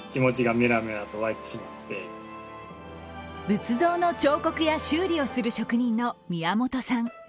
仏像の彫刻や修理をする職人の宮本さん。